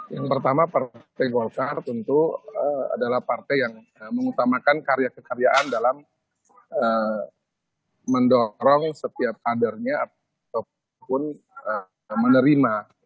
yang pertama partai golkar tentu adalah partai yang mengutamakan karya kekaryaan dalam mendorong setiap kadernya ataupun menerima